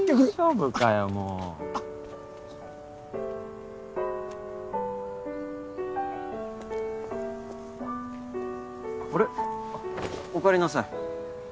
おかえりなさい。